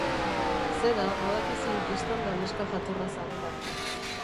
Zera, badakizu, bistan da neska jatorra zarela.